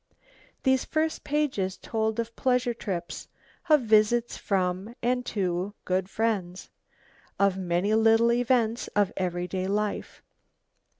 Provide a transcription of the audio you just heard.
These first pages told of pleasure trips, of visits from and to good friends, of many little events of every day life.